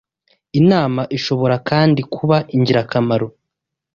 inama Ishobora kandi kuba ingirakamaro